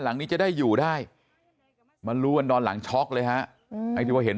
หลังนี้จะได้อยู่ได้มารู้กันตอนหลังช็อกเลยฮะไอ้ที่ว่าเห็น